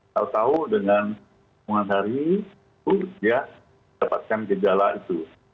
tahu tahu dengan penguasa hari itu dia dapatkan gejala itu